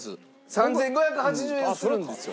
３５８０円するんですよ。